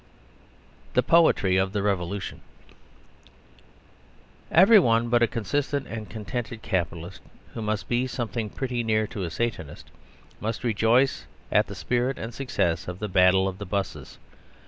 THE POETRY OF THE REVOLUTION Everyone but a consistent and contented capitalist, who must be something pretty near to a Satanist, must rejoice at the spirit and success of the Battle of the Buses.